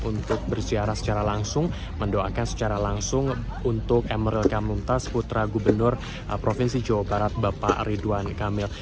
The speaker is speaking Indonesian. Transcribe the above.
untuk bersiara secara langsung mendoakan secara langsung untuk emeril khan mumtaz putra gubernur provinsi jawa barat bapak ridwan kamil